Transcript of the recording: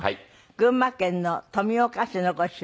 群馬県の富岡市のご出身。